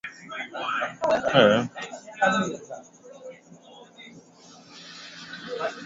Anachojua ni kwamba anaitwa mzee wa ufundi na ana nguvu za ushawishi mkubwa